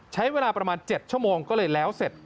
ใช้เวลาประมาณ๗ชั่วโมงก็เลยแล้วเสร็จ